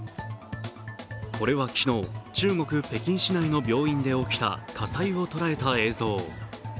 これは昨日、中国・北京市内の病院で起きた火災を捉えた映像。